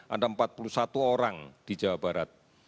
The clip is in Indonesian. ada empat puluh satu orang di jawa barat